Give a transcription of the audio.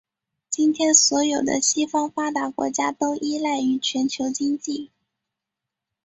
今天所有的西方发达国家都依赖于全球经济。